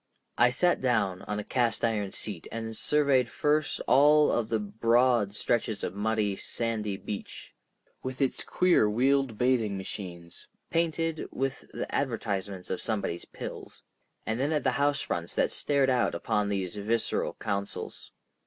I sat down on a cast iron seat, and surveyed first of all the broad stretches of muddy, sandy beach, with its queer wheeled bathing machines, painted with the advertisements of somebody's pills—and then at the house fronts that stared out upon these visceral counsels.